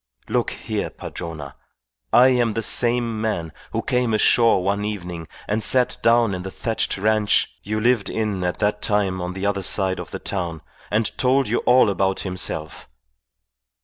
Look here, Padrona, I am the same man who came ashore one evening and sat down in the thatched ranche you lived in at that time on the other side of the town and told you all about himself.